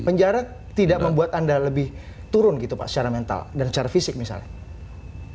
penjara tidak membuat anda lebih turun gitu pak secara mental dan secara fisik misalnya